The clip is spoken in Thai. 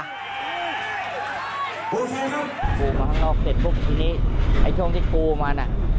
กูมาข้างนอกเสร็จปุ๊บทีนี้ไอ้ช่วงที่กูมาน่ะ